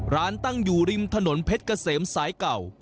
ร้านตั้งอยู่ริมถนนเพชรเกษมสายเก่า